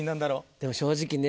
でも正直ね